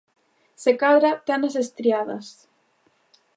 –Se cadra, tenas estriadas.